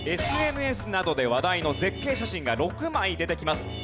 ＳＮＳなどで話題の絶景写真が６枚出てきます。